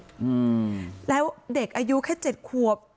ของลูกสาวคนเล็กอืมแล้วเด็กอายุแค่เจ็ดขวบ